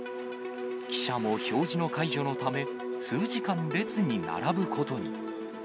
記者も表示の解除のため、数時間、列に並ぶことに。